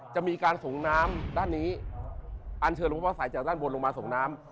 จะมีการส่งน้ำด้านนี้อันเชิญหลวงพ่อสายจากด้านบนลงมาส่งน้ำ